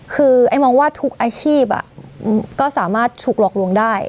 คือไอ้มองว่าทุกอาชีพก็สามารถถูกหลอกลวงได้